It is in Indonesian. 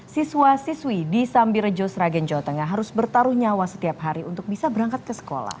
siswa siswi di sambirejo sragen jawa tengah harus bertaruh nyawa setiap hari untuk bisa berangkat ke sekolah